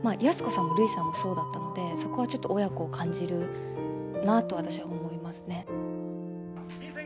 安子さんもるいさんもそうだったのでそこはちょっと親子を感じるなと私は思いますね。